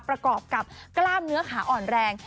ประกอบกับกล้ามเนื้อขาอ่อนแรง